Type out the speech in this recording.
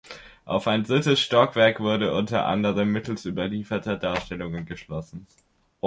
Auf ein drittes Stockwerk wurde unter anderem mittels überlieferter Darstellungen geschlossen.